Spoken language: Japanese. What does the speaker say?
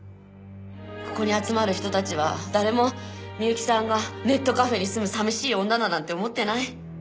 ここに集まる人たちは誰も美由紀さんがネットカフェに住む寂しい女だなんて思ってない。